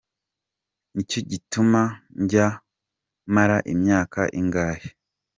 Nicyo gituma njya mara imyaka ingahe.